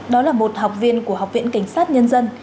đó là một học viên của học viện cảnh sát nhân dân